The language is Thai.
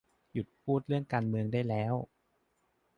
"หยุดพูดเรื่องการเมืองได้แล้ว !"